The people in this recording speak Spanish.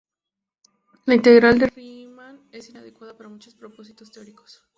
La integral de Riemann es inadecuada para muchos propósitos teóricos.